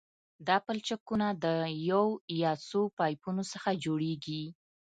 دا پلچکونه د یو یا څو پایپونو څخه جوړیږي